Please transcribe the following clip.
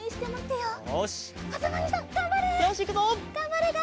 がんばれがんばれ！